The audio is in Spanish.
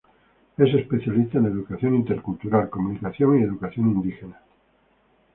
Es especialista en educación intercultural, comunicación y educación indígena.